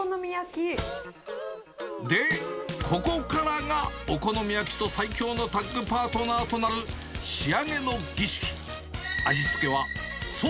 で、ここからがお好み焼きと最強のタッグパートナーとなる仕上げの儀式。